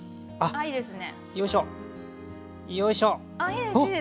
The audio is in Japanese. いやいいですね。